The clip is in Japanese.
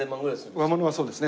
上物はそうですね。